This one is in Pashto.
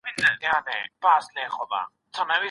آيا ميرمن د خاوند څخه د جماع غوښتنه کولای سي؟